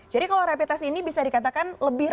jadi kalau rapid test ini bisa dikatakan lebih rapi